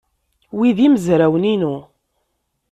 Wi d imezrawen-inu.